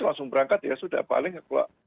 langsung berangkat ya sudah paling